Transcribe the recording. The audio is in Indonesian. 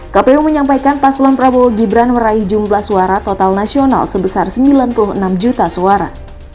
kpu menyampaikan paslon prabowo gibran meraih jumlah suara total nasional sebesar sembilan puluh enam juta suara